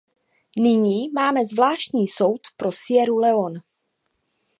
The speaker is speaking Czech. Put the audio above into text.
Nyní máme Zvláštní soud pro Sierru Leone.